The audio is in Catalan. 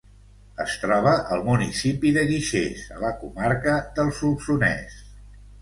Es troba al municipi de Guixers, a la comarca del Solsonès.